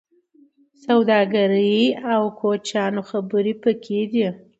د سوداګرۍ او کوچیانو خبرې پکې دي.